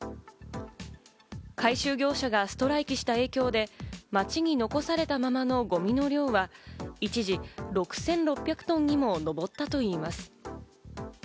回収業者がストライキした影響で、街に残されたままのゴミの量は一時６６００トンにも上ったといいます。